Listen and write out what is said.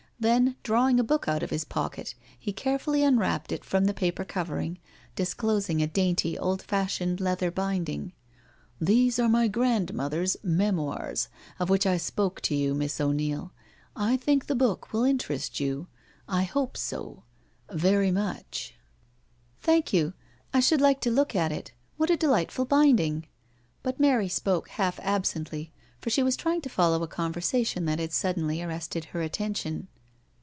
Then drawing a book out of his pocket he carefully un wrapped it from the paper covering, disclosing a dainty old fashioned leather binding. " These are my grandmother's ' Memoirs ' of which I spoke to you, Miss O'Neil; I think the book will interest you. I hope so — very much." 48 NO SURRENDER " Thank you. I should like to look at it. What a delightful binding/' but Mary spoke half absently, for she was trying to follow a conversation that had sud denly arrested her attention.